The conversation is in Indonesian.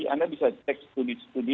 anda bisa cek studi studi